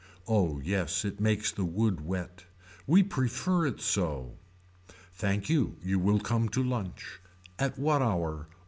Oh yes it makes the wood wet. We prefer it so. Thank you you will come to lunch. At what hour.